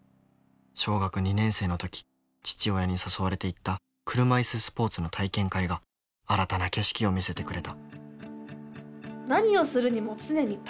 小学２年生の時父親に誘われて行った車いすスポーツの体験会が新たな景色を見せてくれた。